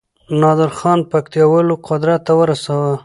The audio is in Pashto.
نادرخان پکتياوالو قدرت ته ورساوه